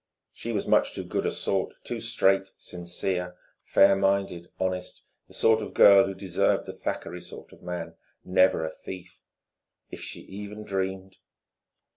She was much too good a sort, too straight, sincere, fair minded, honest the sort of girl who deserved the Thackeray sort of man, never a thief. If she even dreamed....